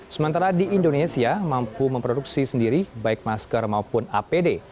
sementara di indonesia mampu memproduksi sendiri baik masker maupun apd